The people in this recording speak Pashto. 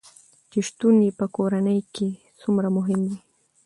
چې شتون يې په کورنے کې څومره مهم وي